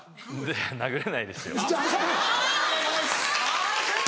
殴らないですよ。